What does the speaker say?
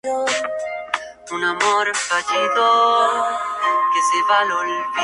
Pero a enel malos pasos.